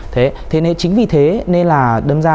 thế nên chính vì thế nên là đâm ra